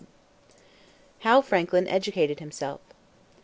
HOW FRANKLIN EDUCATED HIMSELF.